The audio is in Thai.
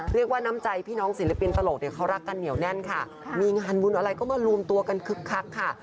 น้ำใจพี่น้องศิลปินตลกเนี่ยเขารักกันเหนียวแน่นค่ะมีงานบุญอะไรก็มารวมตัวกันคึกคักค่ะ